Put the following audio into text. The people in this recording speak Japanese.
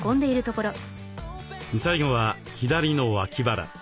最後は左の脇腹。